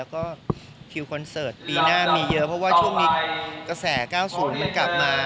แล้วก็คิวคอนเสิร์ตปีหน้ามีเยอะเพราะว่าช่วงนี้กระแส๙๐มันกลับมา